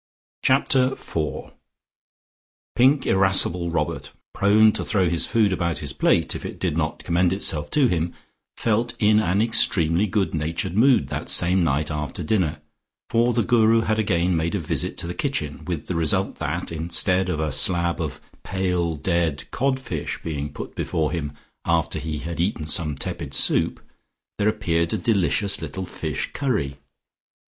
Chapter FOUR Pink irascible Robert, prone to throw his food about his plate, if it did not commend itself to him, felt in an extremely good natured mood that same night after dinner, for the Guru had again made a visit to the kitchen with the result that instead of a slab of pale dead codfish being put before him after he had eaten some tepid soup, there appeared a delicious little fish curry.